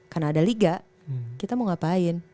karena ada liga kita mau ngapain